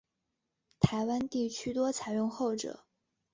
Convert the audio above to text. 台湾地区多采用后者。